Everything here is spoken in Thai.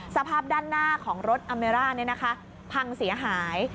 สภาพด้านหน้าของรถอเมร่าพังเสียหาย